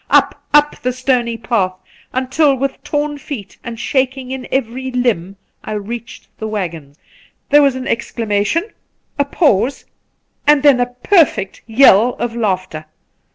Up, up the stony path, tiU, with torn feet and shaking in every limb, I reached the waggon. There was an exclamation, a pause, and then a perfect yell of laughter.